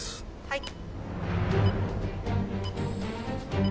はい。